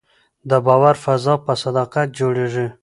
د باور فضا په صداقت جوړېږي